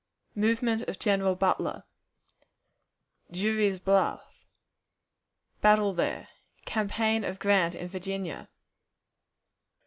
Movement of General Butler. Drury's Bluff. Battle there. Campaign of Grant in Virginia.